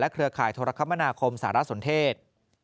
เครือข่ายโทรคมนาคมสารสนเทศ